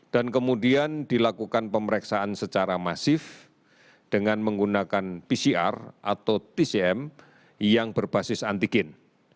kemudian dilakukan pemeriksaan secara masif dengan menggunakan pcr atau tcm yang berbasis antigen